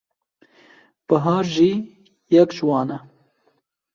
Bihar jî yek ji wan e.